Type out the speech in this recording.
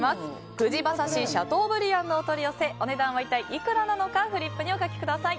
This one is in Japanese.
ふじ馬刺しシャトーブリアンのお取り寄せお値段はいくらなのかフリップにお書きください。